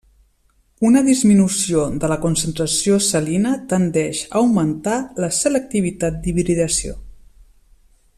Una disminució de la concentració salina tendeix a augmentar la selectivitat d'hibridació.